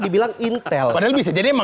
dibilang intel padahal bisa jadi emang